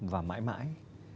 và mãi mãi